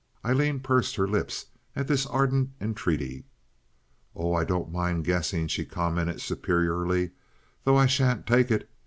Aileen pursed her lips at this ardent entreaty. "Oh, I don't mind guessing," she commented, superiorly, "though I sha'n't take it.